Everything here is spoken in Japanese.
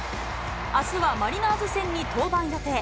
あすはマリナーズ戦に登板予定。